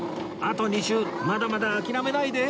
あと２周まだまだ諦めないで